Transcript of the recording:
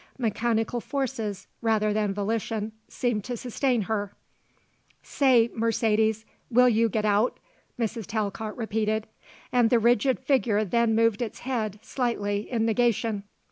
Mechanical forces rather than volition seemed to sustain her. "Say, Mercedes, will you get out?" Mrs. Talcott repeated. And the rigid figure then moved its head slightly in negation.